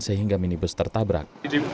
sehingga minibus tertabrak